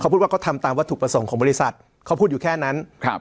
พูดว่าเขาทำตามวัตถุประสงค์ของบริษัทเขาพูดอยู่แค่นั้นครับ